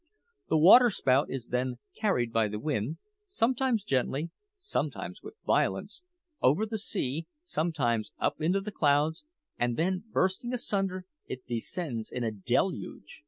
The waterspout is then carried by the wind sometimes gently, sometimes with violence over the sea, sometimes up into the clouds; and then, bursting asunder, it descends in a deluge.